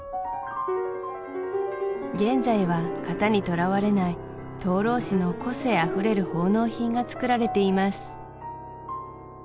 現在は型にとらわれない灯籠師の個性あふれる奉納品がつくられています